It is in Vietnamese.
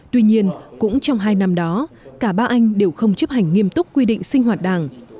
tuy nhiên cũng trong hai năm đó cả ba anh đều không chấp hành nghiêm túc quy định sinh hoạt đảng